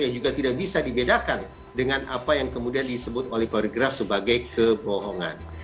yang juga tidak bisa dibedakan dengan apa yang kemudian disebut oleh poligraf sebagai kebohongan